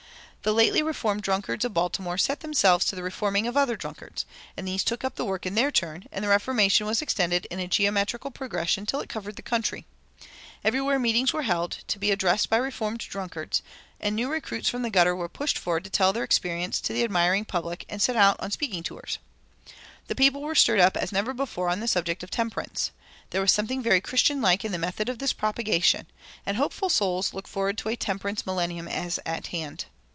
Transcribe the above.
The lately reformed drunkards of Baltimore set themselves to the reforming of other drunkards, and these took up the work in their turn, and reformation was extended in a geometrical progression till it covered the country. Everywhere meetings were held, to be addressed by reformed drunkards, and new recruits from the gutter were pushed forward to tell their experience to the admiring public, and sent out on speaking tours. The people were stirred up as never before on the subject of temperance. There was something very Christian like in the method of this propagation, and hopeful souls looked forward to a temperance millennium as at hand.